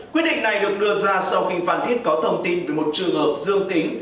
quyết định này được đưa ra sau khi phan thiết có thông tin về một trường hợp dương tính